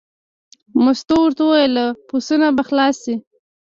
مستو ورته وویل: پسونه به خلاص شي.